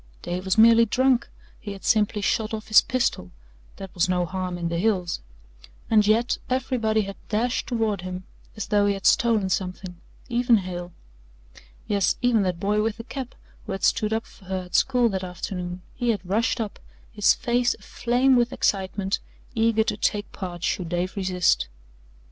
Dave was merely drunk, he had simply shot off his pistol that was no harm in the hills. And yet everybody had dashed toward him as though he had stolen something even Hale. Yes, even that boy with the cap who had stood up for her at school that afternoon he had rushed up, his face aflame with excitement, eager to take part should Dave resist.